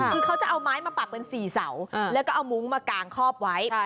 คือเขาจะเอาไม้มาปักเป็น๔เสาแล้วก็เอามุ้งมากางคอบไว้